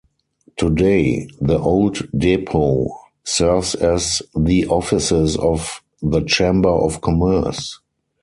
Today, the old depot serves as the offices of the Chamber of Commerce.